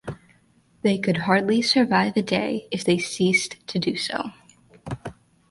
They could hardly survive a day if they ceased to do so.